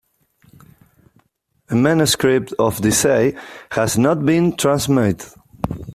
A manuscript of the essay has not been transmitted.